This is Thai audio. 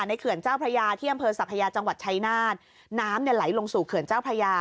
เขื่อนเจ้าพระยาที่อำเภอสัพยาจังหวัดชายนาฏน้ำเนี่ยไหลลงสู่เขื่อนเจ้าพระยา